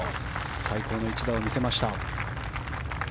最高の一打を見せました。